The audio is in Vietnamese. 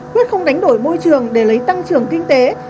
quyết không đánh đổi môi trường để lấy tăng trưởng kinh tế